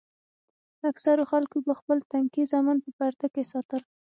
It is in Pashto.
اکثرو خلکو به خپل تنکي زامن په پرده کښې ساتل.